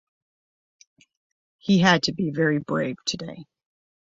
He had to be very brave today.